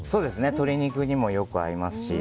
鶏肉にもよく合いますし。